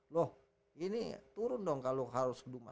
loh ini turun dong kalau harus ke dumas